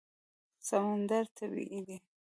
سمندر طبیعي دی.